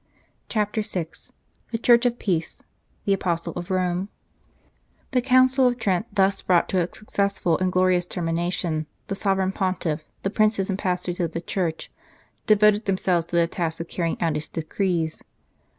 CHAPTER VI THE CHURCH OF PEACE THE APOSTLE OF ROME THE Council of Trent thus brought to a successful and glorious termination, the Sovereign Pontiff, the Princes and pastors of the Church, devoted themselves to the task of carrying out its decrees.